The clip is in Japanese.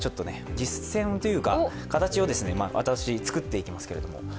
実践というか、形を私、作っていきます。